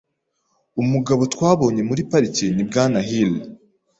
Umugabo twabonye muri parike ni Bwana Hill .